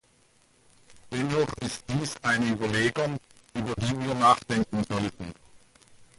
Dennoch ist dies eine Überlegung, über die wir nachdenken sollten.